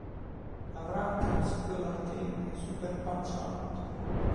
Avrà anche un sequel arcade, "Super Punch Out!!".